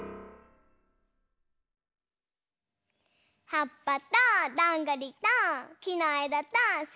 はっぱとどんぐりときのえだとすすき！